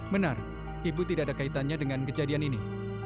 benar ibu tidak ada kaitannya dengan kejadian ini